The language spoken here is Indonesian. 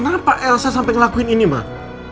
kenapa elsa sampai ngelakuin ini mbak